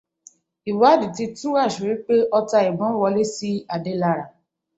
Ìwádìí ti tú àṣírí pé ọta ìbọn wọlé sí Adé lára.